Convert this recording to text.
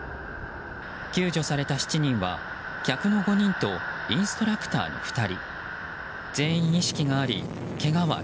救助された７人は客の５人とインストラクター２の人。